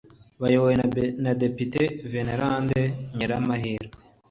bayobowe na Depite Venerande Nyirahirwa